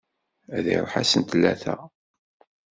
Ad iṛuḥ ass n tlata.